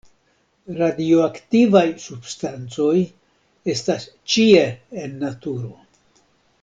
Radioaktivaj substancoj estas ĉie en naturo.